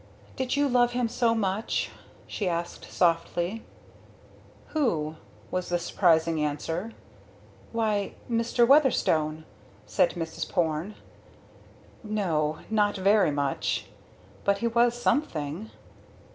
"Did you love him so much?" she asked softly. "Who?" was the surprising answer. "Why Mr. Weatherstone," said Mrs. Porne. "No not very much. But he was something."